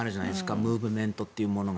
ムーブメントというものが。